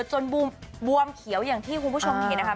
จนบวมเขียวอย่างที่คุณผู้ชมเห็นนะคะ